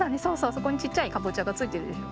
そこにちっちゃいかぼちゃがついてるでしょ？